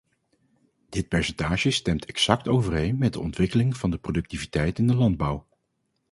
Dit percentage stemt exact overeen met de ontwikkeling van de productiviteit in de landbouw.